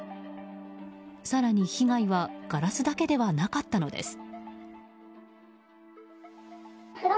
更に被害はガラスだけではなかったのです。